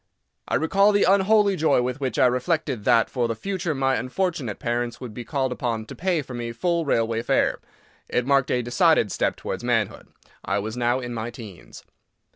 I recall the unholy joy with which I reflected that for the future my unfortunate parents would be called upon to pay for me full railway fare; it marked a decided step towards manhood. I was now in my teens.